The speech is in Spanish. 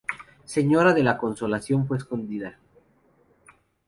Señora de la Consolación fue escondida.